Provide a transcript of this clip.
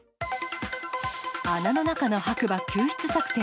穴の中の白馬救出作戦。